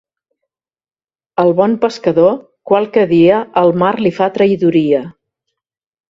Al bon pescador, qualque dia el mar li fa traïdoria.